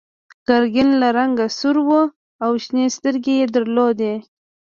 ګرګین له رنګه سور و او شنې سترګې یې درلودې.